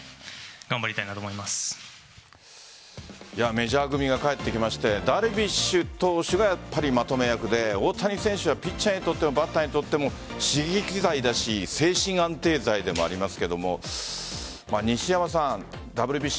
メジャー組が帰って来ましてダルビッシュ投手がやっぱりまとめ役で大谷選手はピッチャーにとってもバッターにとっても刺激剤だし精神安定剤でもありますけども西山さん、ＷＢＣ